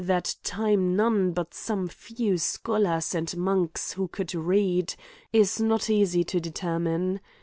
that thne none but some few scholars and monks who could read, is not easy to determine.